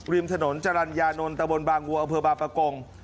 ริมถนนจรรยานนท์ตะบนบางวัวอำเภอบางประกง